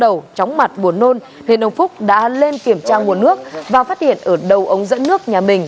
sau đầu tróng mặt buồn nôn huyện ông phúc đã lên kiểm tra nguồn nước và phát hiện ở đầu ống dẫn nước nhà mình